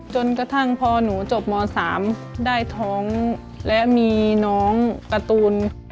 จนกระทั่งพอหนูจบม๓ได้ท้องและมีน้องการ์ตูน